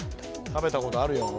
食べたことあるやろ？